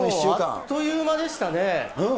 あっという間でしたね。